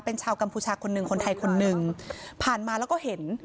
เป็นชาวกัมพูชาคนหนึ่งคนไทยคนหนึ่งผ่านมาแล้วก็เห็น